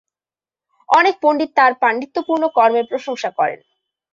অনেক পণ্ডিত তার পাণ্ডিত্যপূর্ণ কর্মের প্রশংসা করেন।